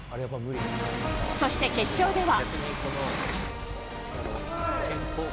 そして決勝では。